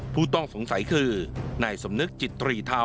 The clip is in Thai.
ผู้ต้องสงสัยคือนายสมนึกจิตรีเทา